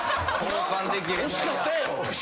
惜しかったやろ。